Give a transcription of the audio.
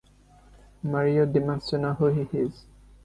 Mario demands to know who he is.